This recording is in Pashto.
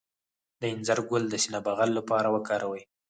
د انځر ګل د سینه بغل لپاره وکاروئ